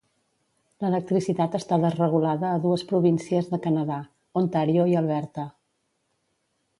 L'electricitat està desregulada a dues províncies de Canadà: Ontario i Alberta.